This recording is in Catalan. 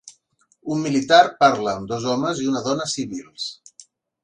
Un militar parla amb dos homes i una dona civils.